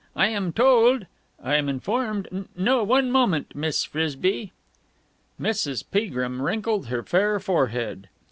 I am told ... I am informed ... No, one moment, Miss Frisby." Mrs. Peagrim wrinkled her fair forehead.